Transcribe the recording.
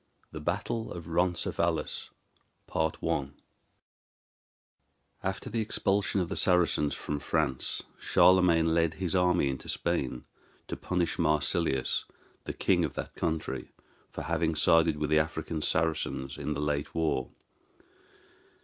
THE BATTLE OF RONCESVALLES After the expulsion of the Saracens from France Charlemagne led his army into Spain, to punish Marsilius, the king of that country, for having sided with the African Saracens in the late war.